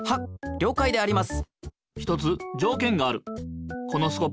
りょうかいであります。